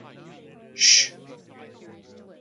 Sh.